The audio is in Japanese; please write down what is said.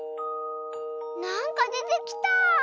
なんかでてきた！